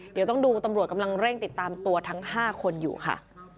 เดี๋ยวต้องดูตำรวจกำลังเร่งติดตามตัวทั้ง๕คนอยู่ค่ะ